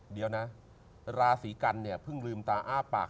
เดี๋ยวนะลาศีกรรมพึ่งลืมตาอ้าปาก